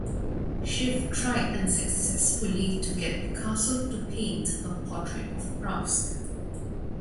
Schiff tried unsuccessfully to get Picasso to paint a portrait of Proust.